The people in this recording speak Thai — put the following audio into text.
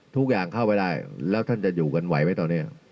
เข้าไปได้แล้วท่านจะอยู่กันไหวไหมตอนนี้